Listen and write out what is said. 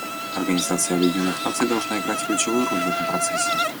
Организация Объединенных Наций должна играть ключевую роль в этом процессе.